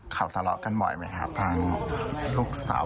เขาทะเลาะกันบ่อยไหมครับทางลูกสาว